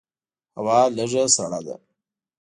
هوا لږه سړه ده.